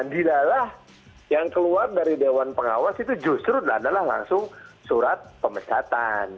tidaklah yang keluar dari dewan pengawas itu justru adalah langsung surat pemesatan